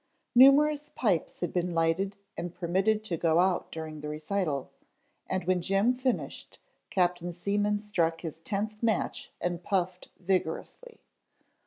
Numerous pipes had been lighted and permitted to go out during the recital, and when Jim finished, Captain Seaman struck his tenth match and puffed vigorously.